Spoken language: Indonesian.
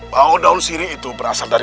bau daun sirih itu berasa seperti